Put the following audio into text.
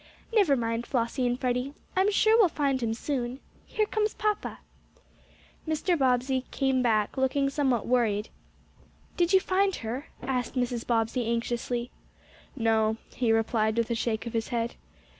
Never mind, Flossie and Freddie. I'm sure we'll find him soon. Here comes papa." Mr. Bobbsey came back, looking somewhat worried. "Did you find her?" asked Mrs. Bobbsey anxiously. "No," he replied, with a shake of his head.